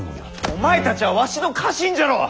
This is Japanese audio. お前たちはわしの家臣じゃろう！